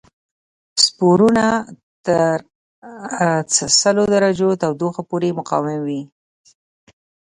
سپورونه تر سلو درجو تودوخه پورې مقاوم وي.